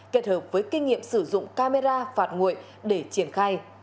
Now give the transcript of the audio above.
kết hợp với kinh nghiệm sử dụng camera phạt nguội để triển khai